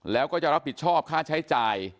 แล้วก็จะรับผิดชอบค่าใช้จ่าย